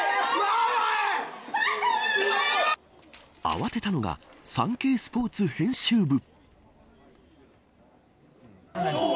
慌てたのがサンケイスポーツ編集部。